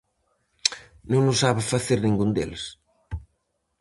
Non o sabe facer ningún deles.